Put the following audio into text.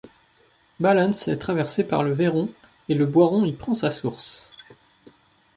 Ballens est traversée par le Veyron et le Boiron y prend sa source.